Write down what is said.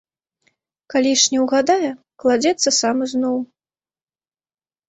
Калі ж не ўгадае, кладзецца сам ізноў.